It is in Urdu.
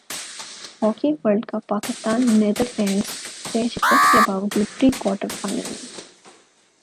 ہاکی ورلڈکپ پاکستان نیدرلینڈز سے شکست کے باوجود پری کوارٹر فائنل میں